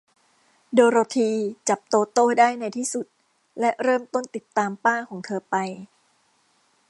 โดโรธี จับโตโต้ได้ในที่สุด และเริ่มต้นติดตามป้าของเธอไป